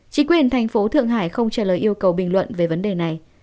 chính quyền thành phố thượng hải không trả lời yêu cầu bình luận về vấn đề này